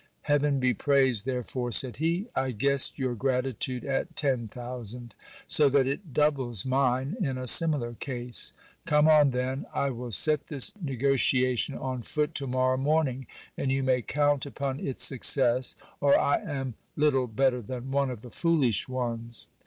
Heaven be praised therefore ! said he. I guessed your gratitude at ten thousand ; so that it doubles mine in a similar case. Come on then ! I will set this negotiation on foot to morrow morning ; and you may count upon its success, or I am little better than one of the foolish ones.